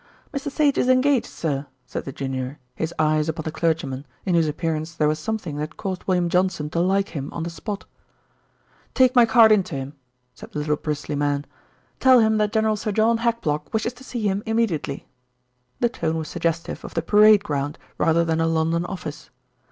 "Mr. Sage is engaged, sir," said the junior, his eyes upon the clergyman, in whose appearance there was something that caused William Johnson to like him on the spot. "Take my card in to him," said the little, bristly man. "Tell him that General Sir John Hackblock wishes to see him immediately." The tone was suggestive of the parade ground rather than a London office.